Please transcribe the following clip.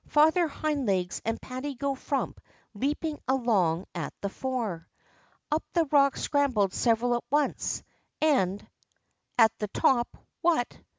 Father Hind Legs and Patty go Frump leaping along at the fore. Up the rock scrambled several at once, and, at the top — what